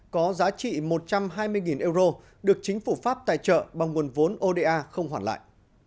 có giá trị một trăm hai mươi euro được chính phủ pháp tài trợ bằng nguồn vốn oda không hoàn lại